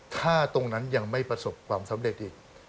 ถ้าตรงนั้นยังไม่ประสบความสำเร็จอีก